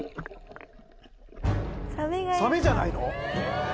サメじゃないの？